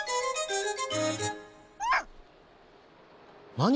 なに？